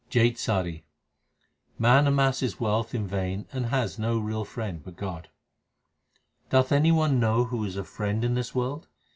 JAITSARI Man amasses wealth in vain and has no real friend but God : Doth any one know who is a friend in this world